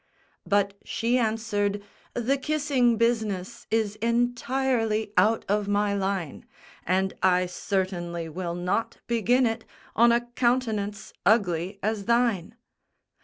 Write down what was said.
But she answered, "The kissing business Is entirely out of my line; And I certainly will not begin it On a countenance ugly as thine!"